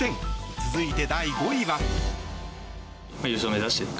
続いて、第５位は。